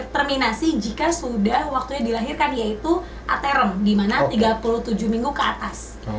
terminasi jika sudah waktunya dilahirkan yaitu atherem di mana tiga puluh tujuh minggu ke atas